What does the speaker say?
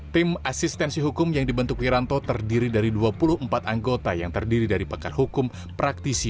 tim asistensi hukum yang dibentuk wiranto terdiri dari dua puluh empat anggota yang terdiri dari pakar hukum praktisi